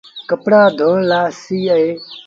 ڪپڙآ ڌوڻ لآ با سهيٚ اهي۔